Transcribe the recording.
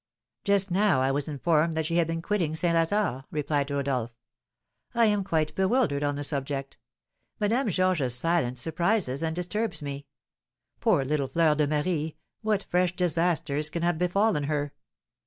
"Just now I was informed that she had been seen quitting St. Lazare," replied Rodolph. "I am quite bewildered on the subject; Madame Georges's silence surprises and disturbs me. Poor little Fleur de Marie, what fresh disasters can have befallen her?